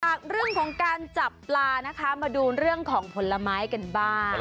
จากเรื่องของการจับปลานะคะมาดูเรื่องของผลไม้กันบ้าง